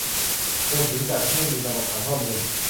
รวมถึงจัดให้มีระบบฐานข้อมูล